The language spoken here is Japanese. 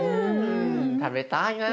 食べたいな。ね。